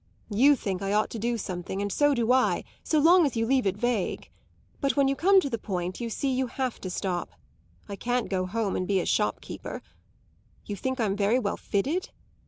You think I ought to do something, and so do I, so long as you leave it vague. But when you come to the point you see you have to stop. I can't go home and be a shopkeeper. You think I'm very well fitted?